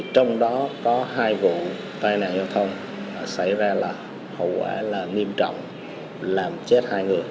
trong đó có hai vụ tai nạn giao thông xảy ra hậu quả nghiêm trọng làm chết hai người